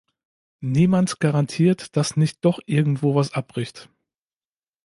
Niemand garantiert, dass nicht doch irgendwo was abbricht.